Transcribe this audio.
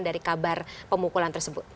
dari kabar pemukulan tersebut